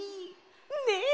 ねえ。